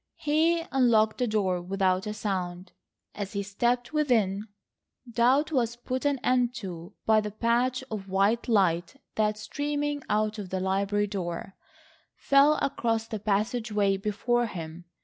He unlocked the door without a sound. As he stepped within, doubt was put an end to by the patch of white light that, streaming out of the library door, fell across the passageway before him.